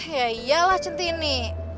ya iyalah centini